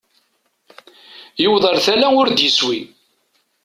Yewweḍ ar tala ur d-iswi.